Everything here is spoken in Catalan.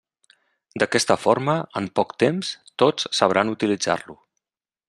D'aquesta forma, en poc temps tots sabran utilitzar-lo.